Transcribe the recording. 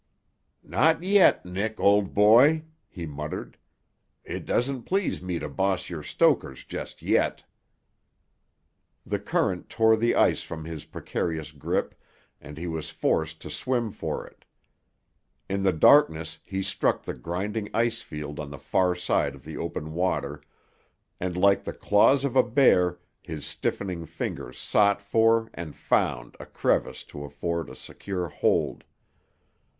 "Not yet, Nick, old boy," he muttered. "It doesn't please me to boss your stokers just yet." The current tore the ice from his precarious grip and he was forced to swim for it. In the darkness he struck the grinding icefield on the far side of the open water, and like the claws of a bear his stiffening fingers sought for and found a crevice to afford a secure hold.